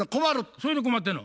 それで困ってんの？